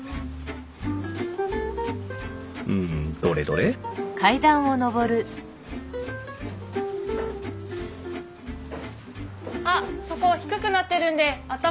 んどれどれあっそこ低くなってるんで頭。